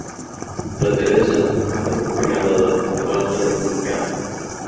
La Teresa ha de recuperar l'alè abans de replicar.